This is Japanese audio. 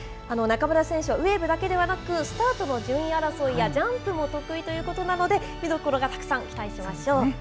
中村選手は、ウエーブだけではなく、スタートの順位争いやジャンプも得意ということなので、見どころがたくさん、期待しましょう。